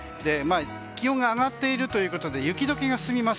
気温が上がっているということで雪解けが進みます。